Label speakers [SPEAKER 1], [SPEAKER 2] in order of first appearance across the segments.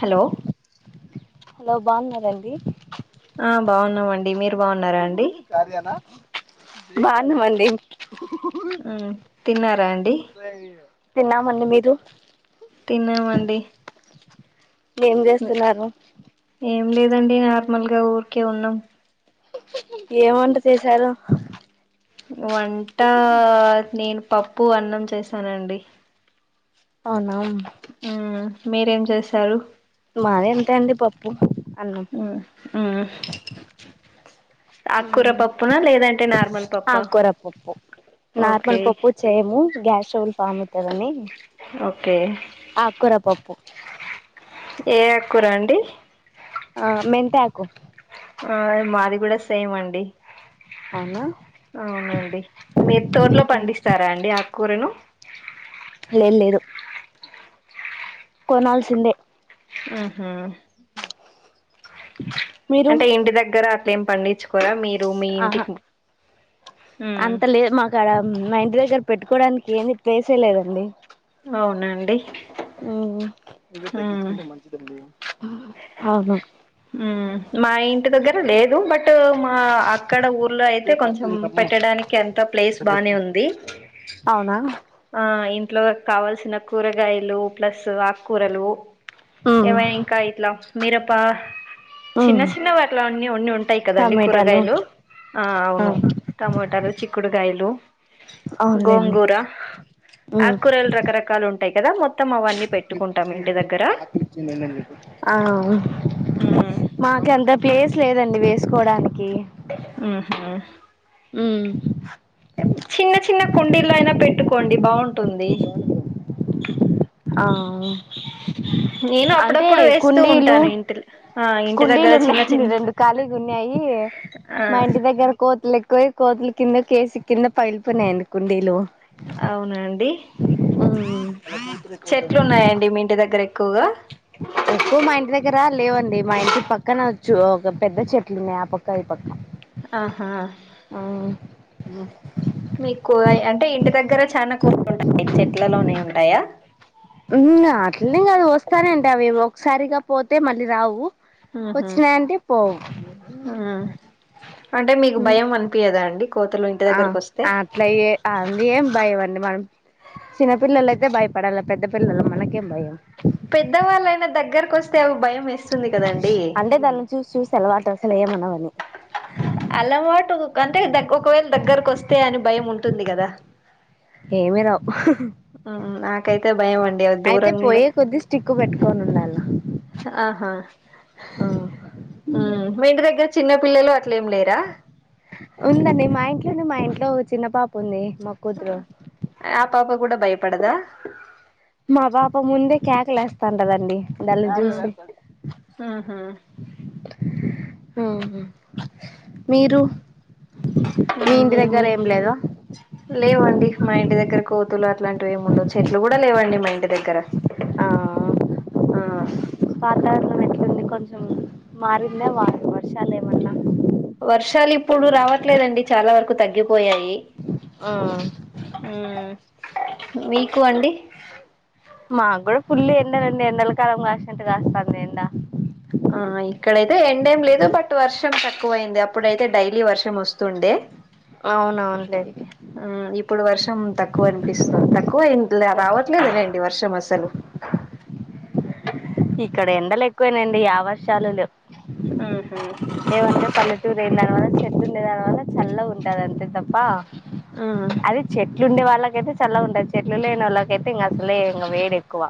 [SPEAKER 1] hollow
[SPEAKER 2] hello బాగున్నారండి
[SPEAKER 1] ఆ బాగున్నామండి మీరు బాగున్నారా అం
[SPEAKER 2] బాగున్నామండీ
[SPEAKER 1] ఉమ్ తిన్నారా అండి
[SPEAKER 2] లెయ్యి తిన్నమండీ మీరు
[SPEAKER 1] తిన్నామండి
[SPEAKER 2] ఏం చేస్తున్నారు
[SPEAKER 1] ఏం లేదండి నార్మల్ గా ఊరికే ఉన్నాం
[SPEAKER 2] ఏం వంట చేసారు
[SPEAKER 1] వంట నేను పప్పు అన్నం చేసానండి
[SPEAKER 2] అవునా
[SPEAKER 1] ఉమ్ మీరేం చేసారు
[SPEAKER 2] మాది అంతే అండి పప్పు అన్నం
[SPEAKER 1] ఉమ్ ఉహ్ అక్కూరపప్పునా లేదంటే నార్మల్ పప్పా
[SPEAKER 2] ఆకుకూర పప్పు
[SPEAKER 1] ఓకే
[SPEAKER 2] నార్మల్ పప్పు చేయము గ్యాస్ట్రబుల్ ఫామ్ అవుతదని
[SPEAKER 1] ఓకే ఏ అక్కూర అండి
[SPEAKER 2] ఆ మెంతాకు
[SPEAKER 1] ఆ మాది కూడా సేమండి
[SPEAKER 2] అవునా
[SPEAKER 1] అవునండి మీరు తోటలో పండిస్తారా అండి ఆకూరను
[SPEAKER 2] లేదు లేదు కొనాల్సిందే
[SPEAKER 1] ఉహు
[SPEAKER 2] మీరు
[SPEAKER 1] అంటే ఇంటి దగ్గర అట్లే ఏం పండించుకోరా మీరు మీ
[SPEAKER 2] ఆహా
[SPEAKER 1] ఇంటికి ఉమ్
[SPEAKER 2] అంత లే మాకు అడ మా ఇంటి దగ్గర పెట్టుకోవడానికి ఏమి ప్లేసే లేదండి
[SPEAKER 1] అవునా అండి
[SPEAKER 2] ఉహు [unintelligible] ఆహా
[SPEAKER 1] ఉమ్ మా ఇంటి దగ్గర లేదు బట్ మా ఆ అక్కడ ఊర్లో అయితే కొంచెం పెట్టడానికి అంత ప్లేస్ బానే ఉంది
[SPEAKER 2] అవునా
[SPEAKER 1] ఆ ఇంట్లో కావాల్సిన కూరగాయలు ప్లస్ ఆకుకూరలు
[SPEAKER 2] ఉమ్
[SPEAKER 1] ఎవైనా ఇంకా ఇట్లా మీరపా చిన్న
[SPEAKER 2] ఉమ్
[SPEAKER 1] చిన్న వాటిలన్ని ఉండి ఉంటాయి కదండి
[SPEAKER 2] టమాటాలు
[SPEAKER 1] కూరగాయలు ఆ అవును టమోటాలు చిక్కుడుకాయలు
[SPEAKER 2] అవునులేండి
[SPEAKER 1] గోంగూర
[SPEAKER 2] ఉమ్
[SPEAKER 1] ఆకూరల్ రకరకాలు ఉంటాయి కదా మొత్తం అవన్నీ పెట్టుకుంటాం ఇంటి దగ్గర
[SPEAKER 2] తిన్ననండి ఆ
[SPEAKER 1] మ్మ్
[SPEAKER 2] మాకేంత ప్లేస్ లేదండి వేసుకోడానికి
[SPEAKER 1] మ్ హు
[SPEAKER 2] ఉమ్
[SPEAKER 1] చిన్న చిన్న కుండీల్లో అయినా పెట్టుకోండి బావుంటుంది
[SPEAKER 2] ఆ
[SPEAKER 1] నేను
[SPEAKER 2] అంటే
[SPEAKER 1] అప్పుడప్పుడు వేస్తూ
[SPEAKER 2] కుండీలు
[SPEAKER 1] ఉంటాను ఆ ఇంటి దగ్గర
[SPEAKER 2] కుండీలు
[SPEAKER 1] చిన్న
[SPEAKER 2] ఉన్నాయండి
[SPEAKER 1] చిన్న
[SPEAKER 2] రెండు ఖాళిగా ఉన్నాయి
[SPEAKER 1] ఆ
[SPEAKER 2] మా ఇంటి దగ్గర కోతులు ఎక్కువ కోతుల కింద కేసు కింద పగిలిపోయినయండి కుండీలు
[SPEAKER 1] అవునండి
[SPEAKER 2] హ్మ్
[SPEAKER 1] చెట్లు ఉన్నాయండి మీ ఇంటి దగ్గర ఎక్కువగా
[SPEAKER 2] ఎక్కువ మా ఇంటి దగ్గర లేవండి మా ఇంటి పక్కన చు ఒక పెద్ద చెట్లున్నాయి ఆ పక్క ఈ పక్క
[SPEAKER 1] ఆహా
[SPEAKER 2] ఆ
[SPEAKER 1] మీకోయ్ అంటే ఇంటి దగ్గర చాలా కూ ఉంటాయి చెట్లలోనే ఉంటాయా
[SPEAKER 2] ఉన్న అట్లనేం కాదు వస్తానంటవేమో ఒకసారిగా పోతే మళ్ళీ రావు
[SPEAKER 1] ఉహు
[SPEAKER 2] వచ్చినాయంటే పోవు
[SPEAKER 1] ఉమ్ అంటే మీకు భయం అనిపీయదా అండి కోతులు ఇంటి
[SPEAKER 2] అ
[SPEAKER 1] దగ్గరకు వస్తే
[SPEAKER 2] అట్లా ఏ అ అండి ఏం భయం అండి మనం చిన్నపిల్లలయితే భయపడాల పెద్ద పిల్లలు మనకేం భయం
[SPEAKER 1] పెద్దవాళ్ళయినా దగ్గరకు వస్తే అది భయం వేస్
[SPEAKER 2] అంటే దాన్ని చూసి చూసి అలవాటు అసలు ఏం అనవని
[SPEAKER 1] అలవాటు అంటే ఒకవేళ దగ్గరకు వస్తే అని భయం ఉంటుంది కదా
[SPEAKER 2] ఏమి రావు
[SPEAKER 1] ఆ నాకైతే భయం అండి అ
[SPEAKER 2] అయితే
[SPEAKER 1] దూరంగా
[SPEAKER 2] పోయే కొద్ది స్టిక్ పెట్టుకొని ఉండాలా
[SPEAKER 1] ఆహా
[SPEAKER 2] ఆ
[SPEAKER 1] ఉమ్ మీ ఇంటి దగ్గర చిన్న పిల్లలు అట్లేం లేరా
[SPEAKER 2] ఉందండి మా ఇంట్లోనే మా ఇంట్లో చిన్న పాప ఉంది మా కూతురు
[SPEAKER 1] ఆ పాప కూడా భయపడదా
[SPEAKER 2] మా పాప ముందే కేకలు వేస్తా ఉంటదండి నన్ను
[SPEAKER 1] మ్మ్
[SPEAKER 2] చూసి
[SPEAKER 1] మ్మ్ హ్మ్
[SPEAKER 2] మ్ మీరు మీ
[SPEAKER 1] మ్మ్
[SPEAKER 2] ఇంటి దగ్గర
[SPEAKER 1] ఏమి
[SPEAKER 2] ఏం లేద
[SPEAKER 1] లేవండి మా ఇంటి దగ్గర కోతులు అట్లాంటివేమి ఉండవు చెట్లు కూడా లేవండి మా ఇంటి దగ్గర
[SPEAKER 2] ఆ
[SPEAKER 1] ఆ
[SPEAKER 2] వాతావరణం ఎట్లుంది కొంచెం మారిందా వా వర్షాలు ఏమన్నా
[SPEAKER 1] వర్షాలు ఇప్పుడు రావట్లేదండి చాలా వరకు తగ్గిపోయాయి
[SPEAKER 2] ఆ
[SPEAKER 1] ఉమ్ మీకు అండి
[SPEAKER 2] మాకు గూడా ఫుల్ ఎండలండి ఎండల కాలం కాసినట్టు కాస్తాంది ఎండ
[SPEAKER 1] ఆ ఇక్కడైతే ఎండేం లేదు బట్ వర్షం తక్కువైంది అప్పుడైతే డైలీ వర్షం వస్తుండే అ
[SPEAKER 2] అవునవున్లేండి
[SPEAKER 1] మ్ ఇప్పుడు వర్షం తక్కువ అనిపిస్తుంది తక్కువ అయిందిలే రావట్లేదులేండి వర్షం అసలు
[SPEAKER 2] ఇక్కడ ఎండలు ఎక్కువేనాండి యా వర్షాలులేవ్
[SPEAKER 1] ఆహ
[SPEAKER 2] ఏమంటే పల్లెటూరుదానివల్ల చెట్టు ఉండే దానివల్ల చల్ల ఉంటది అంతే తప్ప
[SPEAKER 1] ఆ
[SPEAKER 2] అది చెట్లు ఉండే వాళ్ళక అయితే చల్ల ఉంటుది చెట్లు లేని వాళ్ళకయితే ఇంక అసలే ఇంకా వేడి ఎక్కువ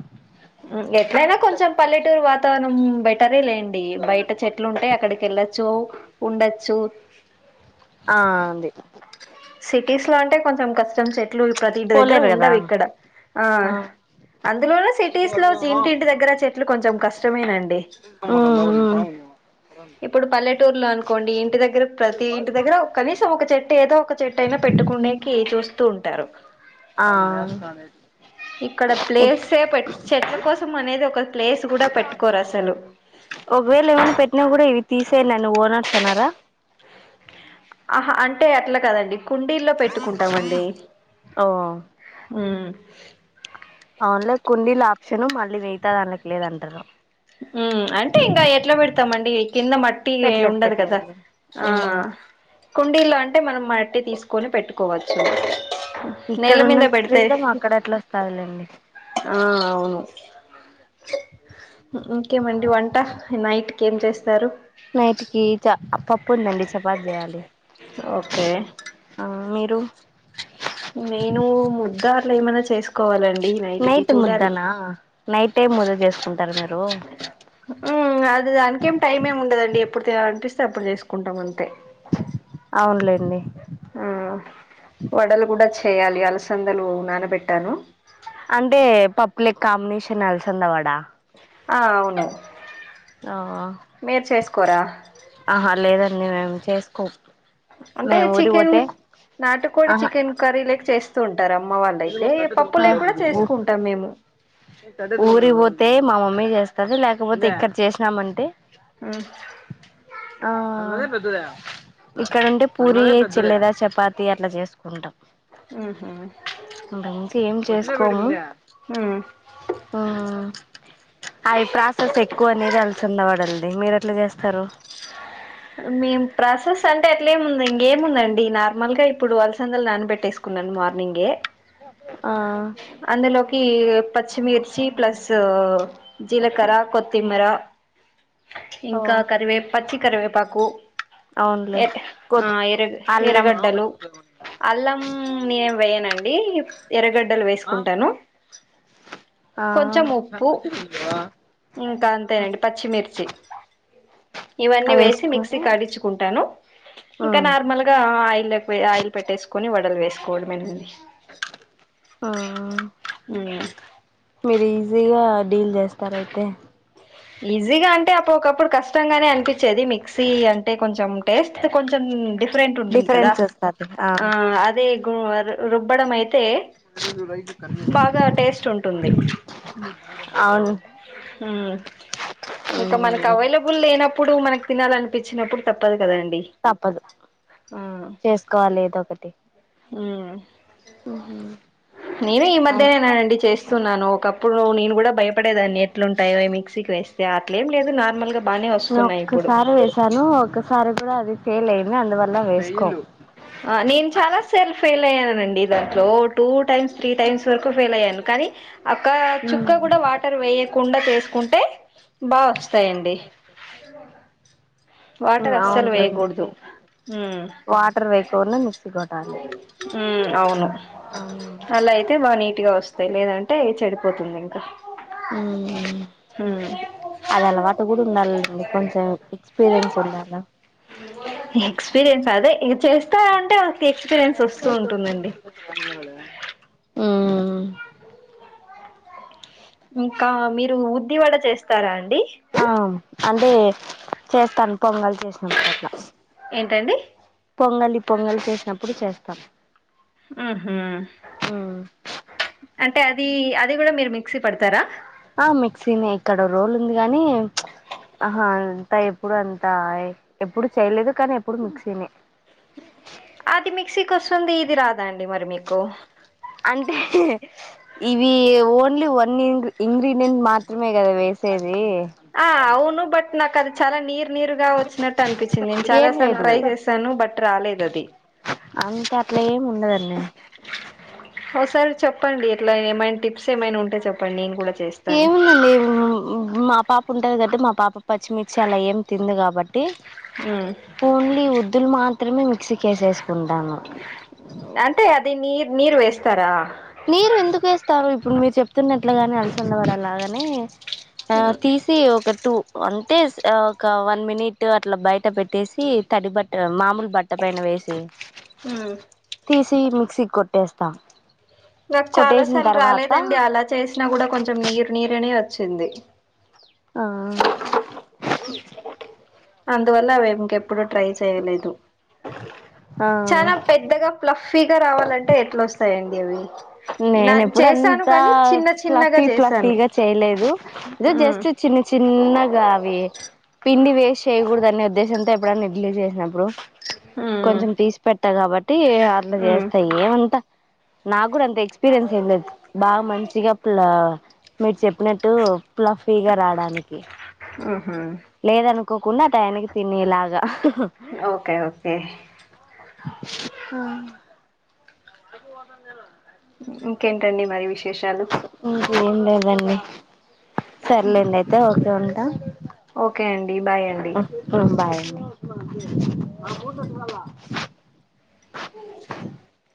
[SPEAKER 1] ఎట్లైన కొంచెం పల్లెటూరు వాతావరణం బ [unintelligible] లేండి బయట చెట్లు ఉంటాయి అక్కడికి వెళ్ళచ్చు ఉండచ్చు
[SPEAKER 2] ఆ [unintelligible]
[SPEAKER 1] సిటీస్లో అంటే కొంచెం కష్టం [unintelligible] ప్రతి ఇంటి దగ్గర
[SPEAKER 2] పోలేరు కదా
[SPEAKER 1] ఉండవు ఇక్కడ ఆ అందులోను సిటీస్ లో ఇంటింటి దగ్గర చెట్లు కొంచెం కష్టమే అండి
[SPEAKER 2] ఉమ్ ఉమ్
[SPEAKER 1] ఇప్పుడు పల్లెటూర్లో అనుకోండి ఇంటి దగ్గర ప్రతి ఇంటి దగ్గర కనీసం ఒక చెట్టు ఏదో ఒక చెట్ అయిన పెట్టుకునేకి చూస్తూ ఉంటారు
[SPEAKER 2] ఆ
[SPEAKER 1] ఇక్కడ ప్లేసే చెట్ల కోసం అనేది ఒక ప్లేస్ కూడ పెట్టుకోరు అసలు
[SPEAKER 2] ఒకవేళ ఏమైన పెట్టినా కూడా ఇవి తీసేయండిడి నువ్వు ఓనర్స్ అనారా
[SPEAKER 1] ఆహా అంటే అట్ల కదండి కుండీల్లో పెట్టుకుంటామండి
[SPEAKER 2] ఓ
[SPEAKER 1] హు
[SPEAKER 2] అవున్లే కుండీల ఆప్షను మళ్ళీ [unintelligible] దానికి లేదు అంటారు
[SPEAKER 1] ఉ అంటే ఇంగ ఎట్లా పెడతామండి కింద మ టి ఏ
[SPEAKER 2] పెట్లేదు
[SPEAKER 1] ఉండదు కదా
[SPEAKER 2] పెట్లేదు
[SPEAKER 1] ఆ
[SPEAKER 2] మ్మ్
[SPEAKER 1] కుండీల్లో అంటే మనం మట్టి తీసుకొని పెట్టుకోవచ్చు
[SPEAKER 2] ఇక్కడ
[SPEAKER 1] నేల మీద
[SPEAKER 2] ఉన్నంత
[SPEAKER 1] పెడితే
[SPEAKER 2] ఫ్రీడమ్ అక్కడ ఎట్ల వస్తాదిలేండి
[SPEAKER 1] ఆ అవును ఇంకేమండి వంట నైట్కి ఏం చేస్తారు
[SPEAKER 2] నైట్కి పప్పు ఉందండి చపాతి చేయాలి
[SPEAKER 1] ఓకే
[SPEAKER 2] ఆ మీరు
[SPEAKER 1] నేను ముద్ద అట్ల ఏమైనా చేసుకోవాలం
[SPEAKER 2] నైట్ ముద్దనా నైటే [unintelligible] చేసుకుంటారు మీరు
[SPEAKER 1] అది దానికేం టైం ఏమి ఉండదండి ఎప్పుడు అనిపిస్తే అప్పుడు చేసుకుంటాం అంతే
[SPEAKER 2] అవునులేండి
[SPEAKER 1] ఆ వడలు కూడ చేయాలి అలసందలు నానబెట్టాను
[SPEAKER 2] అంటే పప్పు లేకి కాంబినేషన్ అలసంద వడ
[SPEAKER 1] ఆ అవును
[SPEAKER 2] ఆ
[SPEAKER 1] మీరు చేసుకోరా
[SPEAKER 2] ఆహా లేదండి మేము చేసుకో
[SPEAKER 1] అంటే చికెన్ నాటుకోడి
[SPEAKER 2] ఆహా
[SPEAKER 1] చికెన్ కర్రీ లేకి చేస్తూ ఉంటారు అమ్మ వాళ్ళయితే పప్పు లేక కూడ చేసుకుంటాం మేము
[SPEAKER 2] ఊరికి పోతే మా మమ్మీ చేస్తది లేకపోతే ఇక్కడ చేసినామంటే
[SPEAKER 1] ఆ
[SPEAKER 2] ఆ ఇక్కడ ఉంటె పూరిచ్చల్లేదా చపాతి అట్లా చేసుకుంటాం
[SPEAKER 1] ఆహా
[SPEAKER 2] అంతమించి ఏం చేసుకోము
[SPEAKER 1] మ్మ్
[SPEAKER 2] అవి ప్రాసెస్ ఎక్కువ అనేది అలసింద వాడండి మీరు ఎట్లా చేస్తారు
[SPEAKER 1] మేం ప్రాసెస్ అంటే అట్లేము ఉంది ఇంకేముందండి నార్మల్ గా ఇప్పుడు ఆలసందలు నానబట్టేసుకో తీసుకున్నాను మార్నింగే
[SPEAKER 2] ఆ
[SPEAKER 1] అందులోకి పచ్చిమిర్చి ప్లస్ జీలకర్ర కొత్తిమీర
[SPEAKER 2] ఓ
[SPEAKER 1] ఇంకా కరివే పచ్చి కరివేపాకు
[SPEAKER 2] అవునులే
[SPEAKER 1] ఎర
[SPEAKER 2] కొ
[SPEAKER 1] ఆ ఎరగ
[SPEAKER 2] అల్లం
[SPEAKER 1] ఎరగడ్డలు అల్లం నేను వేయనండి ఎరగడ్డలు వేసుకుంటాను
[SPEAKER 2] ఆ
[SPEAKER 1] కొంచెం ఉప్పు ఇంకా అంతేనండి పచ్చిమిర్చి ఇవన్నీ
[SPEAKER 2] అవి
[SPEAKER 1] వేసి మిక్సీ
[SPEAKER 2] వేసుకొని
[SPEAKER 1] కడించుకుంటాను ఇంకా
[SPEAKER 2] మ్మ్
[SPEAKER 1] నార్మల్ గా ఇగ ఆయిల్ ఆయిల్ పెట్టేసుకొని వడలు వేసుకోవడం మండి
[SPEAKER 2] ఆ మీరు ఈజీగా డీల్ చేస్తారయితే
[SPEAKER 1] ఈజీగా అంటే అప్పు ఒకప్పుడు కష్టంగానే అనిపించేది మిక్సీ అంటే కొంచెం టేస్ట్ కొంచెం ఫరెంట్ ఉంటుంది కదా
[SPEAKER 2] డిఫరెన్స్ వస్తది
[SPEAKER 1] ఆ అదే రుబ్బడం అయితే బాగా టేస్ట్ ఉంటుంది
[SPEAKER 2] అవును
[SPEAKER 1] ఉ ఇంక మనకి
[SPEAKER 2] ఉమ్
[SPEAKER 1] అవైలబుల్ లేనప్పుడు మనకు తినాలనిపించినప్పుడు తప్పదు కదండి
[SPEAKER 2] తప్పదు
[SPEAKER 1] ఆ
[SPEAKER 2] చేసుకోవాలి ఏదో ఒకటి
[SPEAKER 1] ఉ నేను ఈ మధ్యనేనానండి చేసే చేస్తున్నాను ఒకప్పుడు నేను కూడా భయపడేదాన్ని ఎట్లుంటాయో మిక్సీకి వస్తే అట్లా ఏం లేదు నార్మల్ గా
[SPEAKER 2] నేను ఒక్కసారి వేసాను ఒకసారి కూడా అది ఫెయిల్ అయింది అందువల్ల వేసుకో
[SPEAKER 1] నేను చాలా సెల్ఫ్ ఫెయిల్ అయ్యానండి దాంట్లో టూ టైమ్స్ త్రీ టైమ్స్ వరకు ఫెయిల్ అయ్యాను కానీ ఓక్క చుక్క కూడా వా కానీ వేయకుండా చేసుకుంటే బాగా వస్తాయండీ
[SPEAKER 2] ఉమ్
[SPEAKER 1] వాటర్ అస్సలు వేయకూడదు
[SPEAKER 2] అవునులేండి
[SPEAKER 1] ఊ
[SPEAKER 2] వాటర్ వేకుండా మిక్సీ కొట్టాలి
[SPEAKER 1] ఉ అవును
[SPEAKER 2] అవును
[SPEAKER 1] అలా అయితే బాగా నీట్ గా వస్తుంది వస్తా లేదంటే చెడిపోతుంది ఇంకా
[SPEAKER 2] ఉ
[SPEAKER 1] ఉమ్
[SPEAKER 2] అది అలవాటు కూడా ఉండాలి అండి కొంచెం ఎక్స్పీరియన్స్ ఉండాలి
[SPEAKER 1] ఎక్స్పీరియన్స్ అదే చేస్తా ఉంటే మకి ఎక్స్పీరియన్స్ వస్తూ ఉంటుందండి
[SPEAKER 2] పని కాలేదా ఉ హు
[SPEAKER 1] ఇంకా మీరు ఇడ్లీ వడ చేస్త చేస్తారా అండి
[SPEAKER 2] ఆ అంటే చేస్తాను పొంగల్ చేసినప్పుడు అట్లా
[SPEAKER 1] ఏంటండి
[SPEAKER 2] పొంగలి పొంగలి చేసినప్పుడు చేస్తాం
[SPEAKER 1] ఉహు అంటే అది అది కూడా మీరు మిక్సీ పడతారా
[SPEAKER 2] ఆ మిక్సీనే ఇక్కడ రోల్ ఉంది గాని ఆహా అంతా ఎప్పుడు అంత ఎప్పుడు చేయలేదు కానీ ఎప్పుడు మిక్సీనే
[SPEAKER 1] అది మిక్సీకి వస్తుంది ఇది రాదా అండి మరి మీకు
[SPEAKER 2] అంటే ఇవి ఓన్లీ వన్ ఇంగ్ ఇంగ్రీడియంట్ మాత్రమే కదా వేసేది
[SPEAKER 1] ఆ అవును బట్ నాకు అది చాలా నీర్ నీరు గా వచ్చినట్టు అనిపిచ్చింది నేను చాలా
[SPEAKER 2] ఏం
[SPEAKER 1] సార్లు
[SPEAKER 2] లేదు
[SPEAKER 1] ట్రై చేశాను బట్ రాలేదు అది
[SPEAKER 2] అంతా అట్ల ఏం ఉండదండి
[SPEAKER 1] ఓసారి చెప్పండి ఎట్లా ఏమైనా టిప్స్ ఏమైనా ఉంటే చెప్పండి నేను కూడా చేస్
[SPEAKER 2] ఏముందండి [unintelligible] మా పాప ఉంటది కాట్టి మా పాప పచ్చిమిర్చి అలా ఏం తిందు కాబట్టి
[SPEAKER 1] ఊ
[SPEAKER 2] ఓన్లీ ఉద్దులు మాత్రమే మిక్సీకేసేసుకుంటాను
[SPEAKER 1] అంటే అది నీర్ నీరు వేస్తారా
[SPEAKER 2] నీరు ఎందుకు వేస్తారు ఇప్పుడు మీరు చెప్తున్నట్లుగానే అలసంద వడ లాగానే ఆ తీస్ తి ఒక టూ అంటే ఒక వన్ మినిట్ అట్లా బయట పెట్టేసి తడి బట్ట మామూలు బ ట్ట పైన వేసి
[SPEAKER 1] ఊ
[SPEAKER 2] తీసి మిక్సీ కొట్టేస్తా
[SPEAKER 1] నాకు చాలా సార్లు రాలేదండి అలా చేసినా కూడా కొంచెం నీరు నీరనే వచ్చింది
[SPEAKER 2] ఆ
[SPEAKER 1] అందువల్ల అవి ఇంకెప్పుడు ట్రై చేయలేదు
[SPEAKER 2] ఆ
[SPEAKER 1] ప్లఫీగా రావాలంటే ఎట్లొస్తాయండి అవి నా
[SPEAKER 2] నేనెప్పుడూ
[SPEAKER 1] చేశాను
[SPEAKER 2] అంతా
[SPEAKER 1] కానీ చిన్న చిన్నగా
[SPEAKER 2] ప్లఫీ
[SPEAKER 1] చేశాను
[SPEAKER 2] ప్లఫీగా చేయలేదు ఇదే
[SPEAKER 1] ఉమ్
[SPEAKER 2] జస్ట్ చిన్న చిన్నగా అవి పిండి వేస్ట్ చేయకూడదనే ఉద్దేశంతో ఎప్పుడన్నా ఇడ్లీ చేసినప్పుడు
[SPEAKER 1] ఉమ్
[SPEAKER 2] కొంచెం తీసి పెడ్తా కాబట్టి అట్ల
[SPEAKER 1] ఉమ్
[SPEAKER 2] చేస్తా ఏమంతా నాగ్గూడంత త ఎక్స్పీరియన్స్ ఏం లేదు బాగా మంచిగా అప్పుల్లా మీరు చెప్పినట్టు ప్లఫీగా రావడానికి
[SPEAKER 1] ఊహూ
[SPEAKER 2] లేదనుకోకుండా ఆ టయానికి తినేలాగా
[SPEAKER 1] ఓకే ఓకే
[SPEAKER 2] హా ఫస్ట్గా పోతదని తెల్వదా
[SPEAKER 1] ఇంకేంటండి మరి విశేషాలు
[SPEAKER 2] ఇంకేం లేదండి సర్లేండి అయితే ఓకే ఉంటా
[SPEAKER 1] ఓకే అండి బాయ్ అండి
[SPEAKER 2] ఉమ్ బాయ్ అండి